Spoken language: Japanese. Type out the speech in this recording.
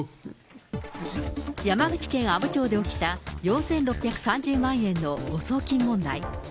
山口県阿武町で起きた４６３０万円の誤送金問題。